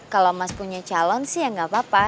kalau mas punya calon sih ya nggak apa apa